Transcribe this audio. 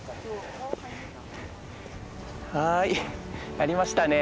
はいやりましたね。